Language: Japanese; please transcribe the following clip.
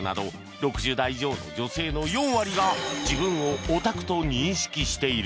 ６０代以上の女性の４割が自分をオタクと認識している